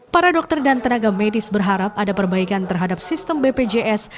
para dokter dan tenaga medis berharap ada perbaikan terhadap sistem bpjs